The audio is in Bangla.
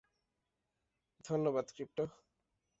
ধন্যবাদ, ক্রিপ্টো!